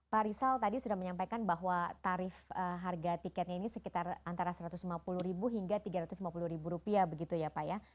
pak rizal tadi sudah menyampaikan bahwa tarif harga tiketnya ini sekitar antara rp satu ratus lima puluh hingga rp tiga ratus lima puluh begitu ya pak ya